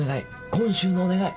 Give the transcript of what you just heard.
今週のお願い。